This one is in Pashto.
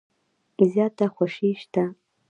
زیاته خوشي شته .